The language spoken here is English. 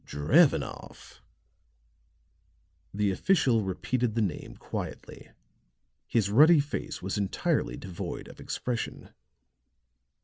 "Drevenoff!" The official repeated the name quietly; his ruddy face was entirely devoid of expression.